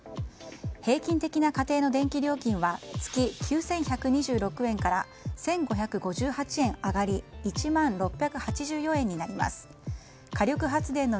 平均的な家庭の電気料金は月９１２６円から１５５８円上がり１万６８４円になります。